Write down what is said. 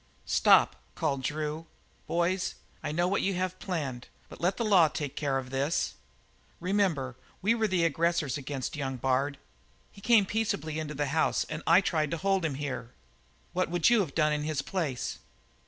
"Stop!" called Drew. "Boys, I know what you have planned; but let the law take care of this. Remember that we were the aggressors against young Bard. He came peaceably into this house and I tried to hold him here. What would you have done in his place?"